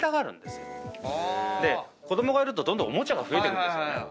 子供がいるとどんどんおもちゃが増えてくんですよね。